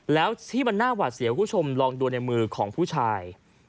แล้วที่มันน่าหวาดเสียวคุณผู้ชมลองดูในมือของผู้ชาย